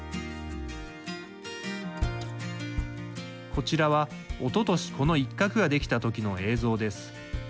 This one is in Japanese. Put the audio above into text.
こちらは、おととしこの一角ができた時の映像です。